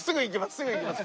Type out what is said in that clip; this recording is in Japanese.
すぐ行きます。